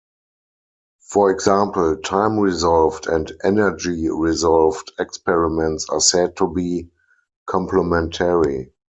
For example, time-resolved and energy-resolved experiments are said to be complementary.